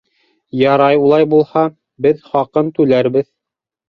— Ярай улай булһа, беҙ хаҡын түләрбеҙ.